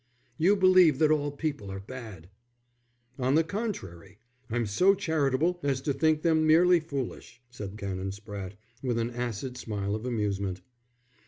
"You believe that all people are bad." "On the contrary, I'm so charitable as to think them merely foolish," said Canon Spratte, with an acid smile of amusement.